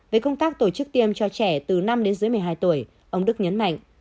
về công tác tổ chức tiêm cho trẻ từ năm đến dưới một mươi hai tuổi ông đức nhấn mạnh